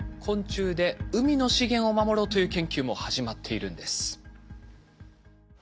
昆虫で海の資源を守ろうという研究も始まっているんです。